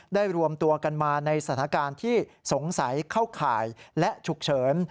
รวมตัวกันมาในสถานการณ์ที่สงสัยเข้าข่ายและฉุกเฉิน